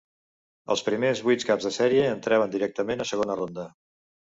Els primers vuit caps de sèrie entraven directament a segona ronda.